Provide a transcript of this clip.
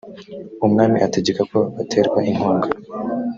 umwami ategeka ko baterwa inkunga